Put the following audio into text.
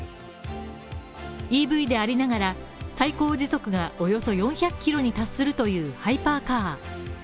ＥＶでありながら、最高時速がおよそ４００キロに達するというハイパーカー。